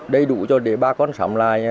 đầy đủ cho để bà con sống lại